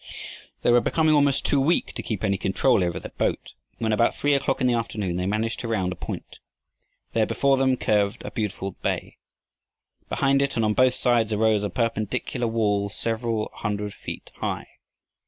They were becoming almost too weak to keep any control over their boat, when about three o'clock in the afternoon they managed to round a point. There before them curved a beautiful bay. Behind it and on both sides arose a perpendicular wall several hundred feet high.